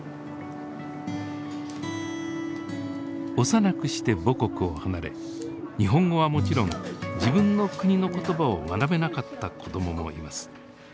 幼くして母国を離れ日本語はもちろん自分の国の言葉を学べなかった子どももいます。